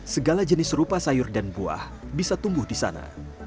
segala jenis rupa sayur dan buah bisa tumbuh di sana